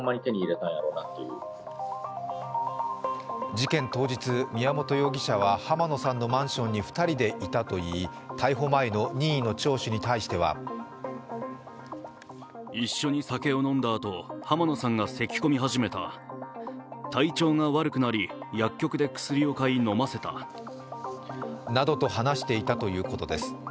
事件当日、宮本容疑者は濱野さんのマンションに２人でいたといい、逮捕前の任意の聴取に対してはなどと話していたということです。